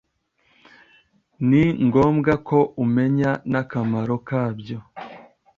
ni ngombwa ko umenya n’akamaro kabyo